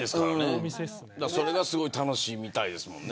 それがすごい楽しいみたいですもんね。